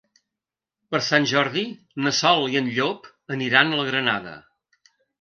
Per Sant Jordi na Sol i en Llop aniran a la Granada.